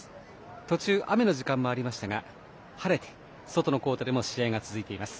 途中、雨の時間もありましたが晴れて、外のコートでも試合が続いています。